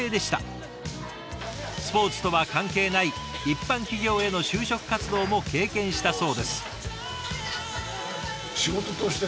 スポーツとは関係ない一般企業への就職活動も経験したそうです。